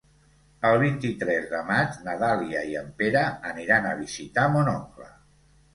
El vint-i-tres de maig na Dàlia i en Pere aniran a visitar mon oncle.